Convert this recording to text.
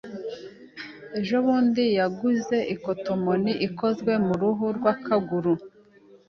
Ejobundi yanguze ikotomoni ikozwe mu ruhu rwa kanguru.